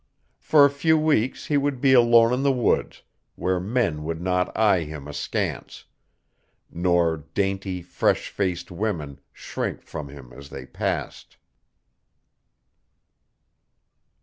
For a few weeks he would be alone in the woods, where men would not eye him askance, nor dainty, fresh faced women shrink from him as they passed.